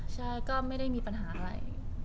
ใช่ก็ไม่ได้มีปัญหาอะไร